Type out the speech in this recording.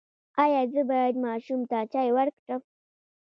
ایا زه باید ماشوم ته چای ورکړم؟